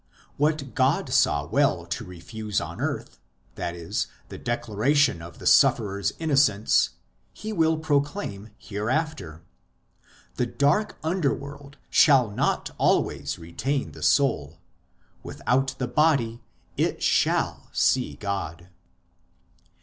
What God saw well to refuse on earth i.e. the declaration of the sufferer s innocence He will proclaim hereafter. The dark underworld shall not always retain the soul ; without the body it shall see God.